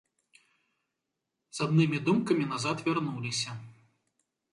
З аднымі думкамі назад вярнуліся.